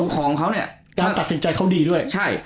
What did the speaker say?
การตัดสินใจเขาดีด้วย